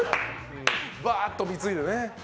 バーッと貢いでね。